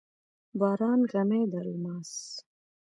باران غمي د الماس،